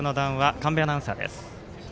神戸アナウンサーです。